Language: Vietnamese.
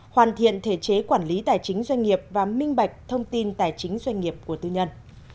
hoàn thiện thể chế quản lý tài chính doanh nghiệp và minh bạch thông tin tài chính doanh nghiệp của tư nhân